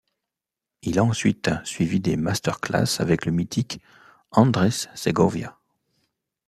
Il a ensuite suivi des masterclasses avec le mythique Andrès Segovia.